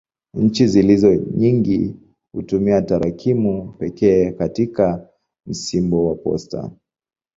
Nchi zilizo nyingi hutumia tarakimu pekee katika msimbo wa posta.